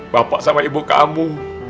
bapak sama ibu kamu